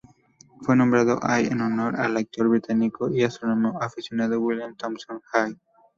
Fue nombrado Hay en honor al actor británico y astrónomo aficionado William Thompson Hay.